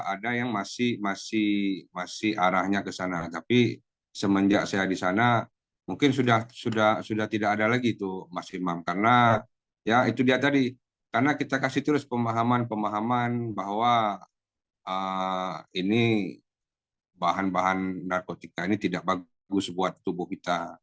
ada yang masih masih masih arahnya ke sana tapi semenjak saya di sana mungkin sudah sudah sudah tidak ada lagi itu masih memang karena ya itu dia tadi karena kita kasih terus pemahaman pemahaman bahwa ini bahan bahan narkotika ini tidak bagus buat tubuh kita